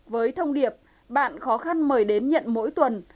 với thông điệp bạn khó khăn mời đến nhận mỗi tuần